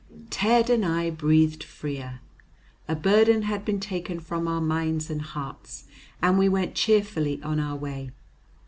Ted and I breathed freer. A burden had been taken from our minds and hearts, and we went cheerfully on our way.